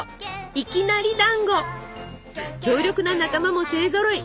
強力な仲間も勢ぞろい！